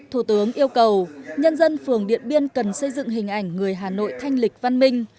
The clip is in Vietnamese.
thủ tướng yêu cầu nhân dân phường điện biên cần xây dựng hình ảnh người hà nội thanh lịch văn minh